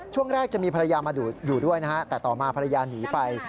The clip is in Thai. ช่วงแรกจะมีภรรยามาอยู่ด้วยนะฮะแต่ต่อมาภรรยาหนีไป